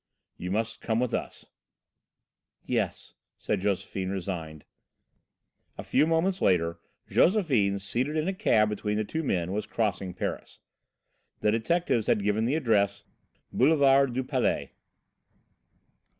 "You must come with us." "Yes," said Josephine, resigned. A few moments later, Josephine, seated in a cab between the two men, was crossing Paris. The detectives had given the address: "Boulevard du Palais."